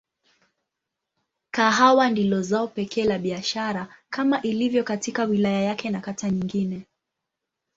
Kahawa ndilo zao pekee la biashara kama ilivyo katika wilaya yake na kata nyingine.